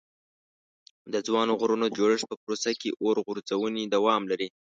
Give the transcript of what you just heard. د ځوانو غرونو د جوړښت په پروسه کې اور غورځونې دوام لري.